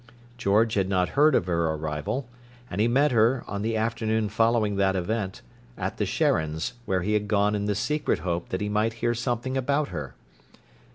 George had not heard of her arrival, and he met her, on the afternoon following that event, at the Sharons', where he had gone in the secret hope that he might hear something about her.